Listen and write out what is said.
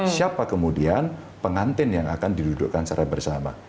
siapa kemudian pengantin yang akan didudukkan secara bersama